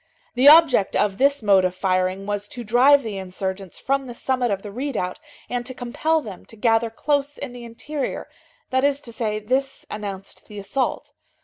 The object of this mode of firing was to drive the insurgents from the summit of the redoubt, and to compel them to gather close in the interior, that is to say, this announced the assault.